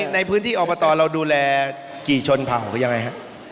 ในพื้นที่ออกมาตอนเราดูแลกี่ชนเผ่าก็ยังไงฮะ